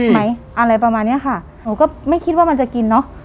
ไหมอะไรประมาณเนี้ยค่ะหนูก็ไม่คิดว่ามันจะกินเนอะ